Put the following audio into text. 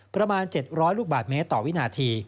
ประมาณ๗๐๐ลูกบาทเมตรต่อวินาที